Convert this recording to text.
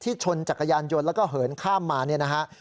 ชนจักรยานยนต์แล้วก็เหินข้ามมาเนี่ยนะฮะ